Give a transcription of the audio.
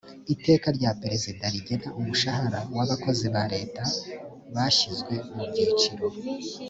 iteka rya perezida rigena umushahara w’ abakozi ba leta bashyizwe mu byiciro